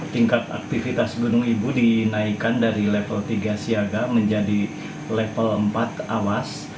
tingkat aktivitas gunung ibu dinaikkan dari level tiga siaga menjadi level empat awas